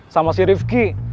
sama si rifki